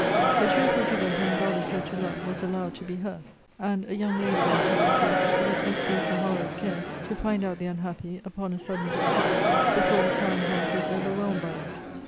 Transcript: The cheerful giver whom God is said to love, was allowed to be her: and a young lady, I am told, said, It was Miss Clarissa Harlowe's care to find out the unhappy, upon a sudden distress, before the sighing heart was overwhelmed by it.